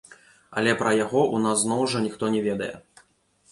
Але пра яго ў нас зноў жа ніхто не ведае.